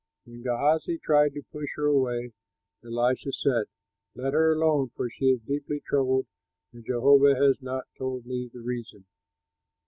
When Gehazi tried to push her away, Elisha said, "Let her alone, for she is deeply troubled and Jehovah has not told me the reason."